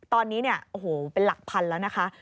ตอนนี้เป็นหลักพันธุ์แล้วนะคะ